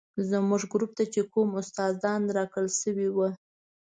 زموږ ګروپ ته چې کوم استادان راکړل شوي ول.